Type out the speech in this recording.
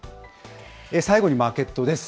最後にマーケットです。